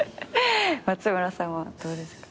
松村さんはどうですか？